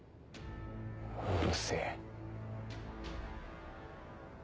うるせぇ。